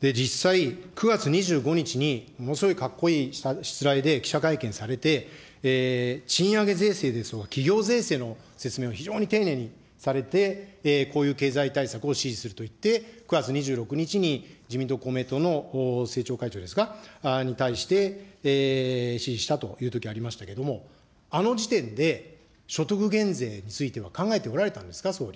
実際、９月２５日に、ものすごいかっこいいしつらえで記者会見されて、賃上げ税制ですとか、企業税制の説明を非常に丁寧にされて、こういう経済対策をしじするといって、９月２６日に自民党、公明党の政調会長ですか、に対して、支持したというときありましたけども、あの時点で、所得減税については考えておられたんですか、総理。